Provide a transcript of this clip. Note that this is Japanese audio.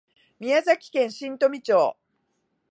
宮崎県新富町